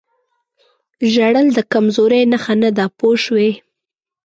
ژړل د کمزورۍ نښه نه ده پوه شوې!.